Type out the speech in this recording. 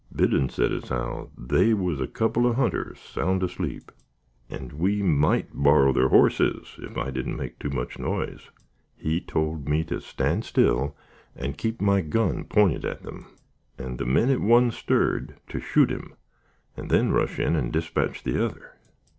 Biddon said as how they was a couple of hunters, sound asleep, and we might borrow their horses, if I didn't make too much noise. He told me to stand still, and keep my gun pointed at them, and the minute one stirred to shoot him, and then rush in, and dispatch the other.